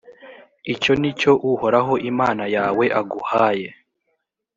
icyo nicyo uhoraho imana yawe aguhaye.